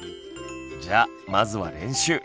じゃあまずは練習！